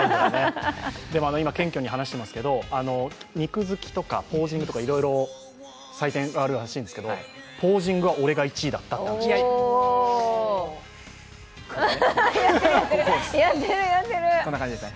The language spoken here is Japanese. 今、謙虚に話していますけど肉付きとかポージングとかいろいろ採点があるらしいですけどポージングは俺が１位だったと話していました。